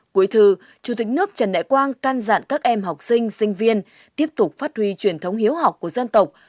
cuối thư chủ tịch nước trần đại quang căn dặn các em học sinh sinh viên tiếp tục phát huy truyền thống hiếu học của dân tộc